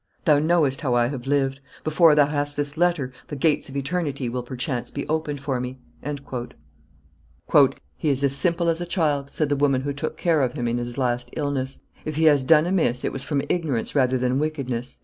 Thou knowest how I have lived. Before thou hast this letter, the gates of eternity will, perchance, be opened for me." "He is as simple as a child," said the woman who took care of him in his last illness; "if he has done amiss, it was from ignorance rather than wickedness."